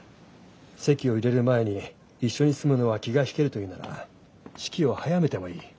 籍を入れる前に一緒に住むのは気が引けるというなら式を早めてもいい。